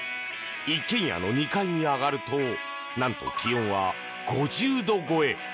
一軒家の２階に上がると何と、気温は５０度超え。